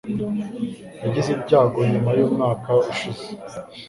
Yagize ibyago nyuma yumwaka ushize